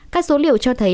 các số liệu cho thấy